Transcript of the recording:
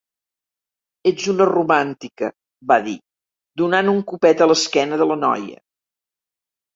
"Ets una romàntica", va dir, donant un copet a l'esquena de la noia.